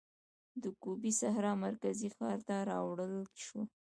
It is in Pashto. د ګوبي سحرا مرکزي ښار ته راوړل شو.